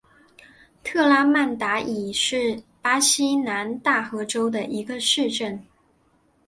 特拉曼达伊是巴西南大河州的一个市镇。